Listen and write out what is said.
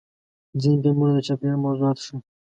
ځینې فلمونه د چاپېریال موضوعات ښیي.